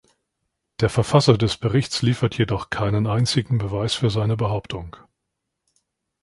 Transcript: Der Verfasser des Berichts liefert jedoch keinen einzigen Beweis für seine Behauptung.